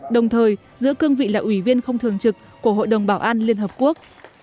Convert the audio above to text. đồng thời giữ cương vị là ủy viên không thường trực của hội đồng bảo an liên hợp quốc